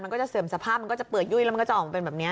มันก็จะเสื่อมสภาพมันก็จะเปื่อยุ่ยแล้วมันก็จะออกเป็นแบบนี้